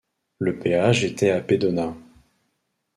Le péage était à Pedona.